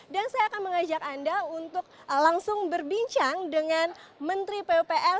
dan saya akan mengajak anda untuk langsung berbincang dengan menteri pembeli upr